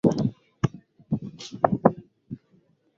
mimi ninachoweza kuwaambia ni kwamba cheo ni dhamani